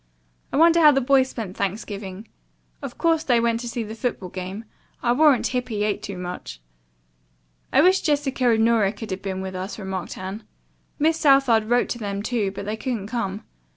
I wonder how the boys spent Thanksgiving. Of course they went to the football game. I'll warrant Hippy ate too much." "I wish Jessica and Nora could have been with us," remarked Anne. "Miss Southard wrote them, too, but they couldn't come.